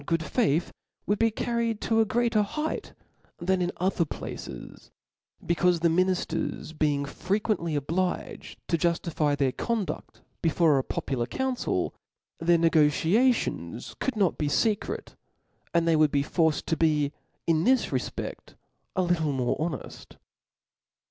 sV good faith would be carried to a greater height than in other places i becaufe the minifters being frequently obliged to juftify their conduffc before a popular council, their negociations could not be fecret; and they would be forced to be, in this refped, a little tnore honeft.